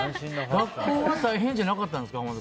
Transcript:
学校は大変じゃなかったんですか